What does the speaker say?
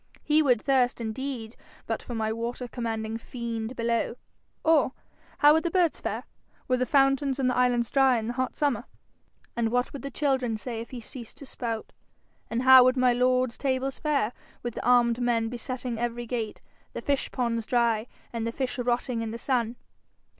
He would thirst indeed but for my water commanding fiend below. Or how would the birds fare, were the fountains on the islands dry in the hot summer? And what would the children say if he ceased to spout? And how would my lord's tables fare, with the armed men besetting every gate, the fish ponds dry, and the fish rotting in the sun?